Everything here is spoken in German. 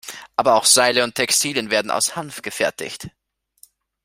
Aber auch Seile und Textilien werden aus Hanf gefertigt.